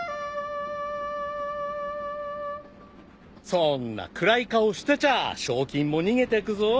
そんな暗い顔してちゃ賞金も逃げてくぞ。